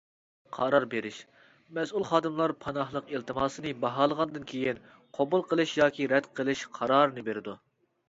قارار بېرىش: مەسئۇل خادىملار پاناھلىق ئىلتىماسنى باھالىغاندىن كېيىن، قوبۇل قىلىش ياكى رەت قىلىش قارارىنى بېرىدۇ.